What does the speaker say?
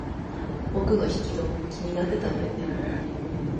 奥の引き戸、気になってたんだよね。